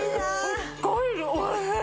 すっごい美味しい。